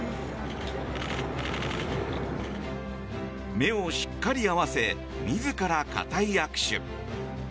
目をしっかり合わせ自ら固い握手。